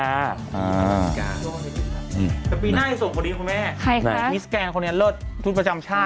ไอ้บ้า